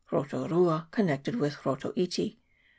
Rotu Rua, connected with Rotu iti.